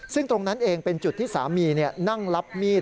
ซึ่งตรงนั้นเองเป็นจุดที่สามีนั่งรับมีด